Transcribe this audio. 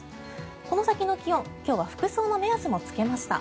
この先の気温今日は服装の目安もつけました。